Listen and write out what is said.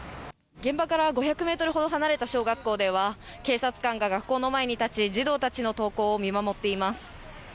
現場から５００ｍほど離れた小学校では警察官が学校の前に立ち児童たちの登校を見守っています。